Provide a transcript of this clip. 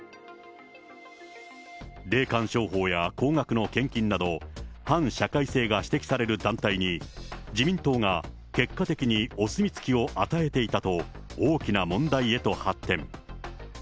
霊感商法や高額の献金など、反社会性が指摘される団体に、自民党が結果的にお墨付きを与えていたと、大きな問題へと発展。